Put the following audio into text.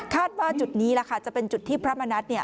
ว่าจุดนี้แหละค่ะจะเป็นจุดที่พระมณัฐ